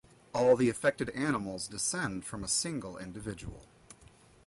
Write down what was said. All the affected animals descend from a single individual.